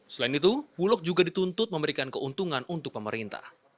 selain itu bulog juga dituntut memberikan keuntungan untuk pemerintah